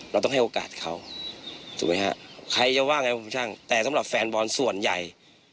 เราต้องให้โอกาสเขาถูกไหมฮะใครจะว่าไงผมช่างแต่สำหรับแฟนบอลส่วนใหญ่